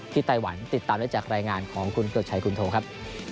ไต้หวันติดตามได้จากรายงานของคุณเกิกชัยคุณโทครับ